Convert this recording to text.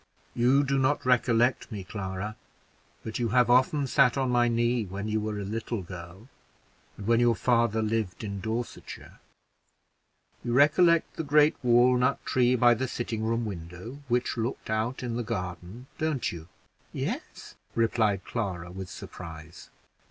You do not recollect me, Clara; but you have often sat on my knee when you were a little girl and when your father lived in Dorsetshire. You recollect the great walnut tree by the sitting room window, which looked out in the garden; don't you?" "Yes," replied Clara, with surprise.